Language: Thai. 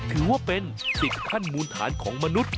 ถือว่าเป็นสิทธิ์ขั้นมูลฐานของมนุษย์